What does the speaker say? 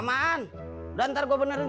saat kamar tak ada orang itu